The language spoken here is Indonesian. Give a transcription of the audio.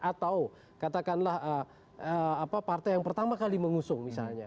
atau katakanlah partai yang pertama kali mengusung misalnya